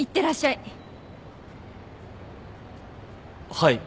はい。